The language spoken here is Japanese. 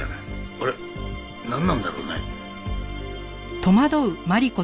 あれなんなんだろうね？